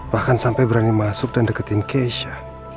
bahkan sampai berani masuk dan deketin keisha